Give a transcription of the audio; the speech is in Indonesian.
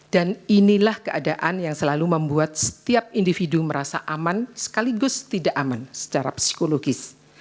dan inilah keadaan yang selalu membuat setiap individu merasa aman sekaligus tidak aman secara psikologis